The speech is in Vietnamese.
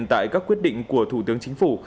tại các quyết định của thủ tướng chính phủ